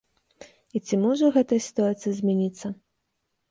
І ці можа гэтая сітуацыя змяніцца?